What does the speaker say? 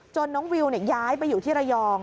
น้องวิวย้ายไปอยู่ที่ระยอง